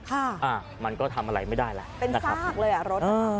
ค่ะอ้ามันก็ทำอะไรไม่ได้แหละเป็นซากเลยอ่ะรถ